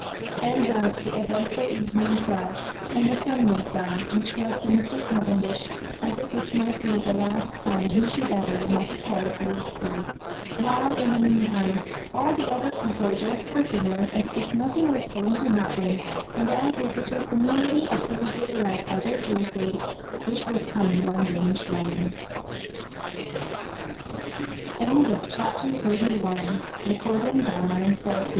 And thus the eventftil even ing fell, and the sun went down, which was to Mr. Cavendish as if it might be the last sun he should ever (metaphorically) see awhile, in the •mean time, all the other people dressed for din ner aa if nothing was going to happen, and as if it was merely a Thursday like other Thursdays which was coming on Gr